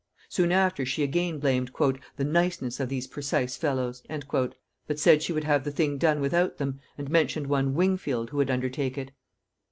Soon after, she again blamed "the niceness of these precise fellows;" but said she would have the thing done without them, and mentioned one Wingfield who would undertake it.